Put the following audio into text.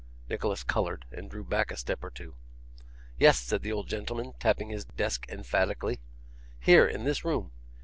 Nicholas coloured, and drew back a step or two. 'Yes,' said the old gentleman, tapping his desk emphatically, 'here, in this room.